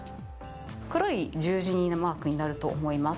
黒い十字のマークになると思います。